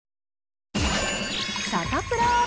サタプラ。